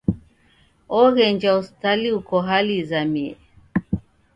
Oghenjwa hospitali uko hali izamie.